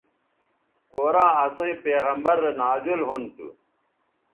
قرآن اسئیں پیغمبرؐ رے نازل ھُون تھو